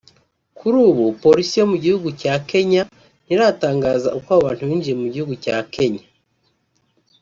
Kuri ubu Polisi yo mu gihugu cya Kenya ntiratangaza uko abo bantu binjiye mu gihugu cya Kenya